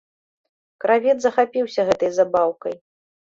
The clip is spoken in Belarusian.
Кравец захапіўся гэтай забаўкай.